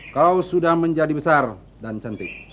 kau sudah menjadi besar dan cantik